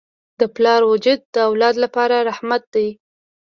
د پلار وجود د اولاد لپاره رحمت دی.